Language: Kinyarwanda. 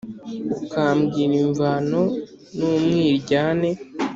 ukambwira imvano n'umwiryane...